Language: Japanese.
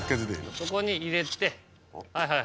そこに入れてはい